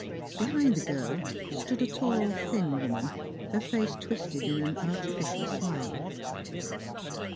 Behind the girl stood a tall, thin woman, her face twisted in an artificial smile.